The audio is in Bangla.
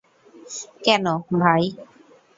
কেন, ভাই?